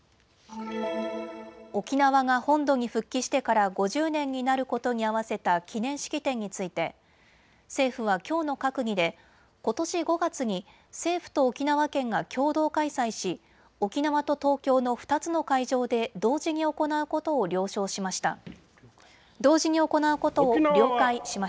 沖縄が本土に復帰してから５０年になることに合わせた記念式典について政府はきょうの閣議でことし５月に政府と沖縄県が共同開催し沖縄と東京の２つの会場で同時に行うことを了解しました。